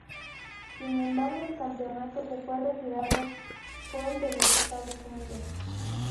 Sin embargo, el campeonato que fue retirado fue el de los Estados Unidos.